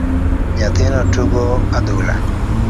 Nyathino tugo adhula